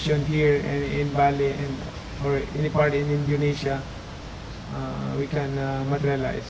saya harap pembentangan ini di bali atau di indonesia akan menjadi menyeronokkan